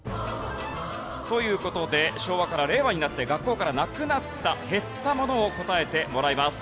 という事で昭和から令和になって学校からなくなった減ったものを答えてもらいます。